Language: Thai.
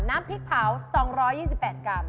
น้ำพริกเผา๒๒๘กรัม